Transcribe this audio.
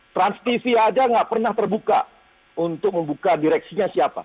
transtv aja nggak pernah terbuka untuk membuka direksinya siapa